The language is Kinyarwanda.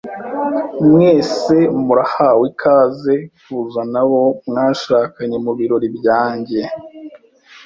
Mwese murahawe ikaze kuzana abo mwashakanye mubirori byanjye.